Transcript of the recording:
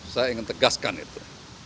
saya ingin tegaskan itu